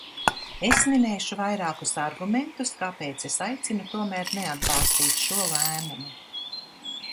Es minēšu vairākus argumentus, kāpēc es aicinu tomēr neatbalstīt šo lēmumu.